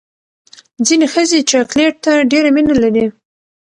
ځینې ښځې چاکلیټ ته ډېره مینه لري.